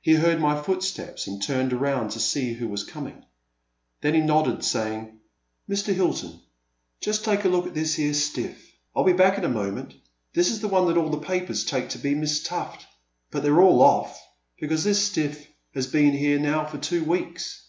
He heard my footsteps, and turned around to see who was coming. Then he nodded, sa5dng: Mr. Hilton, just take a look at this here stiflF— I *11 be back in a moment — ^this is the one that all the papers take to be Miss Tuffl:,— but they 're all olBT, because this stiflF has been here now for two weeks.